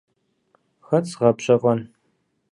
Хэт згъэпщэфӀэн?